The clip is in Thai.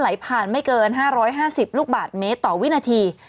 ไหลผ่านไม่เกิน๕๕๐ลูกบาทเมตรต่อวินาที